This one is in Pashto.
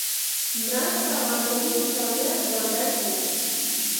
مرسته او همکاري انسانیت ژوندی ساتي.